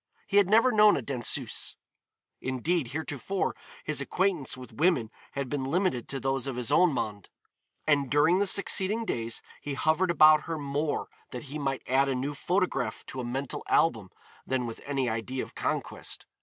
He had never known a danseuse; indeed, heretofore, his acquaintance with women had been limited to those of his own monde, and during the succeeding days he hovered about her more that he might add a new photograph to a mental album than with any idea of conquest.